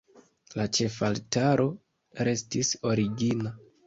La ĉefaltaro restis origina.